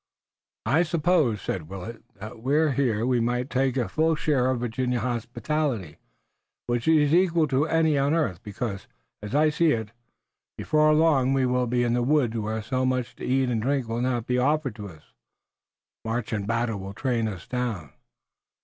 "I suppose," said Willet, "that while here we might take our full share of Virginia hospitality, which is equal to any on earth, because, as I see it, before very long we will be in the woods where so much to eat and drink will not be offered to us. March and battle will train us down."